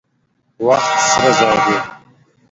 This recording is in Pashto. وخت سره زر دي.